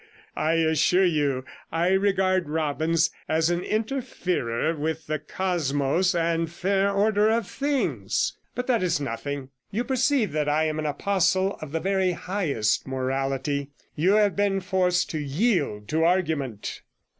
I assure you, I regard Robbins as an interferer with the cosmos and fair order of things. But that is nothing; you perceive that I am an apostle of the very highest morality; you have been forced to yield to argument.'